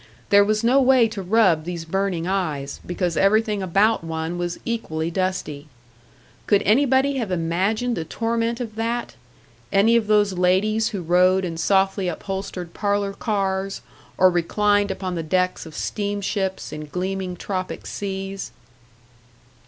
There was no way to rub these burning eyes, because everything about one was equally dusty. Could anybody have imagined the torment of that any of those ladies who rode in softly upholstered parlour cars, or reclined upon the decks of steam ships in gleaming tropic seas?